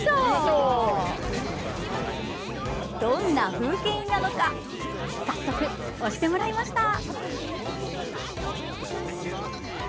どんな風景印なのか早速、押してもらいました。